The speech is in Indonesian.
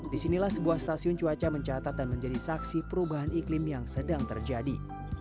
disinilah sebuah stasiun cuaca mencatat dan menjadi saksi perubahan iklim yang sedang terjadi